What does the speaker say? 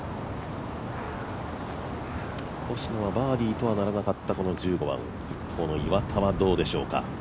星野はバーディーとはならなかったこの１５番、一方の岩田はどうでしょうか。